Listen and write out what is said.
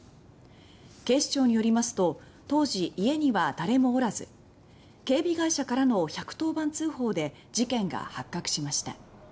警視庁によりますと当時、家には誰もおらず警備会社からの１１０番通報で事件が発覚しました。